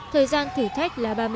thời gian thử thách là